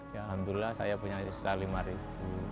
ya alhamdulillah saya punya sisa lima ribu